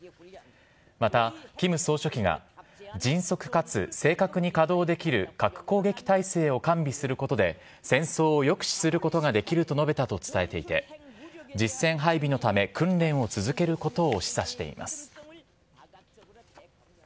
またキム総書記が迅速かつ正確に稼働できる核攻撃態勢を完備することで、戦争を抑止することができると述べたと伝えていて、実戦配備のため訓練を続けることを示唆しています。